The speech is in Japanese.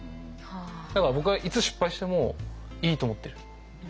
だから僕はいつ失敗してもいいと思ってる。